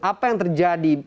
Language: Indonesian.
apa yang terjadi